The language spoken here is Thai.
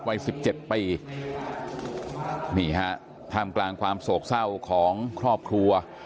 วัยสิบเจ็ดปีนี่ฮะท่ามกลางความโศกเศร้าของครอบครัว